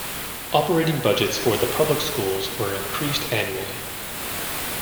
Operating budgets for the public schools were increased annually.